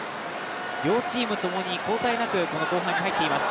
両チームともに、交代なく後半に入っています。